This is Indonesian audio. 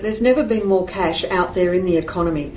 tidak pernah ada uang tunai lebih banyak di dalam ekonomi